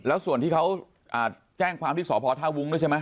แล้วส่วนที่เขาแจ้งความที่สพท่าวุ้งด้วยใช่ไหม